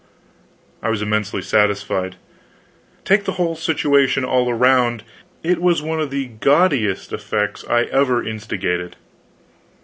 I was immensely satisfied. Take the whole situation all around, it was one of the gaudiest effects I ever instigated.